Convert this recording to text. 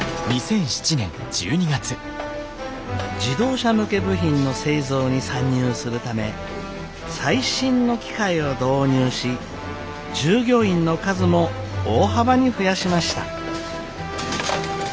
自動車向け部品の製造に参入するため最新の機械を導入し従業員の数も大幅に増やしました。